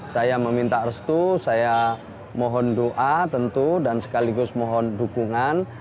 saya meminta restu saya mohon doa tentu dan sekaligus mohon dukungan